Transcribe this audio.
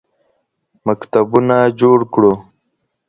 مکتبونه جوړ کړو.